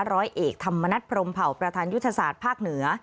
ร้อยเอกธรรมนัฐพรมเผ่าประธานยุทธศาสตร์ภาคเหนือ